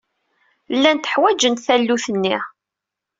Llant ḥwaǧent tallunt-nni.